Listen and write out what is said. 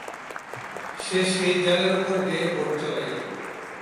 সে সেই জালের উপর দিয়াই বোট চালাইয়া দিল।